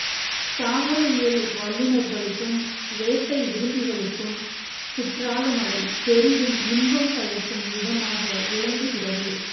தாவர இயல் வல்லுநர்களுக்கும், வேட்டை விரும்பிகளுக்கும் குற்றாலமலை பெரிதும் இன்பம் பயக்கும் இடமாக விளங்கு கிறது.